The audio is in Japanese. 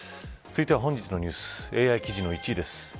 続いては本日のニュースＡＩ記事の１位です。